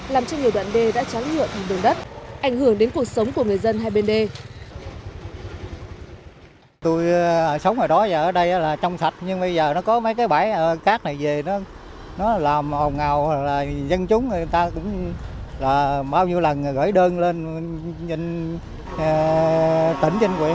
làm cho nhiều đoạn đê đã tráng nhựa thành đường đất ảnh hưởng đến cuộc sống của người dân hai bên đê